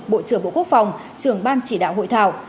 bộ trưởng bộ quốc phòng trưởng ban chỉ đạo hội thảo